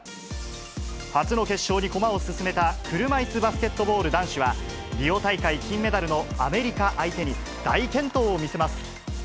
初の決勝に駒を進めた、車いすバスケットボール男子は、リオ大会金メダルのアメリカ相手に、大健闘を見せます。